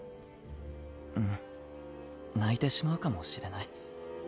うん泣いてしまうかもしれない。